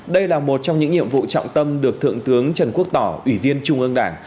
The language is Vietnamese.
đây là một trong những nhiệm vụ trọng tâm được thượng tướng trần quốc tỏ ủy viên trung ương đảng